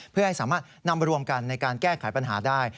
เพื่อให้สามารถนำรวมกันในการแก้ไขปัญหาได้